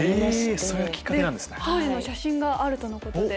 当時の写真があるとのことで。